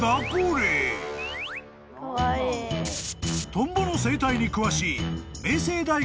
［トンボの生態に詳しい］